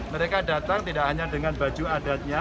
mereka datang tidak hanya dengan baju adatnya